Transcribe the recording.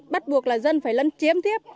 bắt buộc là dân phải lân chiếm tiếp